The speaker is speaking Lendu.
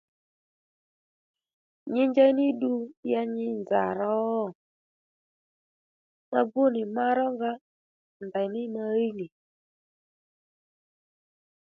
Nyi njey ní ddu ya nyi nza ro? Ma gbú nì marónga ndèymí ma hiy nì